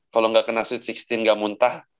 kalau gak kena sweet enam belas gak muntah